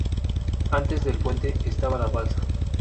Antes del puente estaba la balsa.